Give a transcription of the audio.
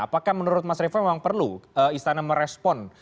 apakah menurut mas revo memang perlu istana merespon